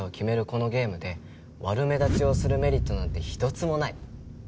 このゲームで悪目立ちをするメリットなんて一つもない。